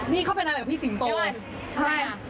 นี่เขาเป็นอะไรกับพี่สิงโตน